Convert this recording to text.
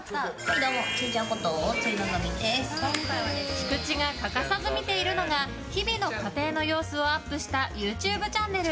菊地が欠かさず見ているのが日々の家庭の様子をアップしたＹｏｕＴｕｂｅチャンネル。